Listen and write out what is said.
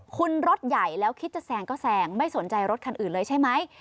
คุณรถใหญ่แล้วคิดจะแซงก็แซงไม่สนใจรถคันอื่นเลยใช่ไหม